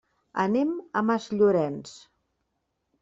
Anem a Masllorenç.